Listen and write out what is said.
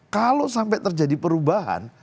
kalau sampai terjadi perubahan